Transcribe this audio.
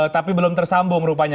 tapi belum tersambung rupanya